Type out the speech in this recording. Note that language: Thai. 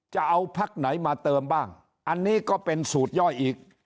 จะเอาพักไหนมาเติมบ้างอันนี้ก็เป็นสูตรย่อยอีก